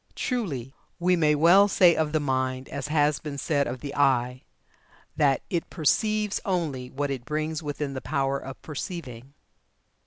Truly, we may well say of the mind, as has been said of the eye, that 'it perceives only what it brings within the power of perceiving.'"